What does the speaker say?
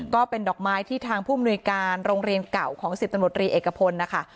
ก็เป็นดอกไม้ที่ทางผู้มนุยการโรงเรียนเก่าของ๑๐ตำรวจรีเอกพลนะคะ